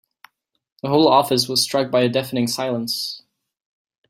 The whole office was struck by a deafening silence.